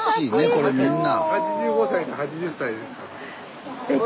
これみんな。